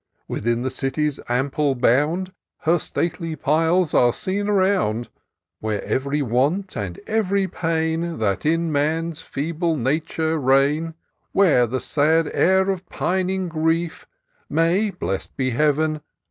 162 TOUR OF DOCTOR SYNTAX Within the city's ample bound Her stately piles are seen around ; Where ev'ry want, and ev'ry pain, That in man's feeble nature reign, Where the sad heir of pining grief May, bless'dbe Heaven!